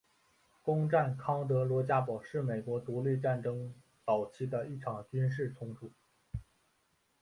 攻占提康德罗加堡是美国独立战争早期的一场军事冲突。